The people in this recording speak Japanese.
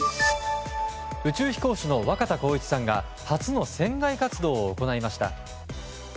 宇宙飛行士の若田光一さんが初の船外活動を行いました。